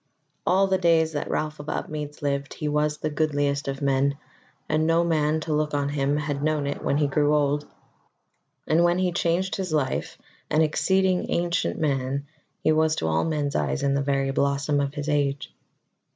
All the days that Ralph of Upmeads lived, he was the goodliest of men, and no man to look on him had known it when he grew old; and when he changed his life, an exceeding ancient man, he was to all men's eyes in the very blossom of his age.